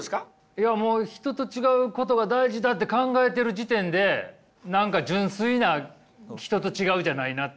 いやもう人と違うことが大事だって考えてる時点で何か純粋な人と違うじゃないなっていう。